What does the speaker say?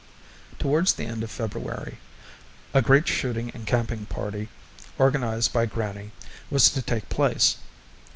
Towards the end of February a great shooting and camping party, organized by grannie, was to take place.